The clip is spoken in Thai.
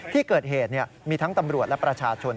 ที่เกิดเหตุมีทั้งตำรวจและประชาชน